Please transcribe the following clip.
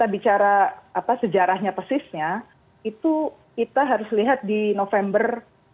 kita bicara sejarahnya pesisnya itu kita harus lihat di november seribu sembilan ratus tujuh belas